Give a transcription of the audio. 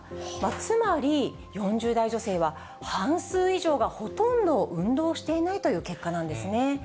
つまり、４０代女性は半数以上がほとんど運動していないという結果なんですね。